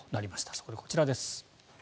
そこでこちらです。